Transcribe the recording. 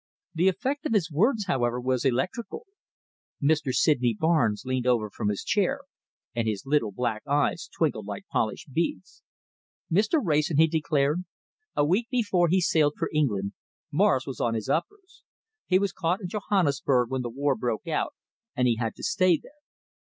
The effect of his words, however, was electrical. Mr. Sydney Barnes leaned over from his chair, and his little black eyes twinkled like polished beads. "Mr. Wrayson," he declared, "a week before he sailed for England, Morris was on his uppers! He was caught in Johannesburg when the war broke out, and he had to stay there.